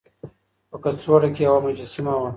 په کڅوړه کې يوه مجسمه وه.